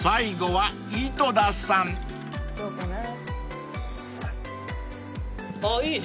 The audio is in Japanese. はい。